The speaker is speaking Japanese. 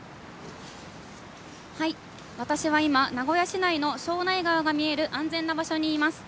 私は今、名古屋市内の庄内川が見える安全な場所にいます。